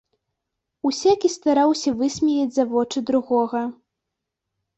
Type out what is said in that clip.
Усякі стараўся высмеяць за вочы другога.